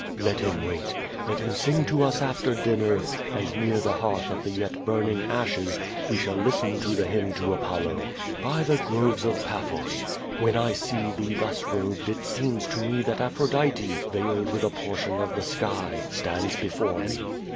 "Let him wait. Let him sing to us after dinner and near the hearth of the yet burning ashes we shall listen to the liymn to Apollo. By the groves of Paphos! When I see thao thus robed it seems to me that Aphrodite, veiled with a por tion of the sky, stands before me."